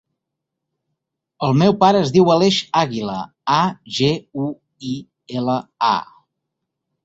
El meu pare es diu Aleix Aguila: a, ge, u, i, ela, a.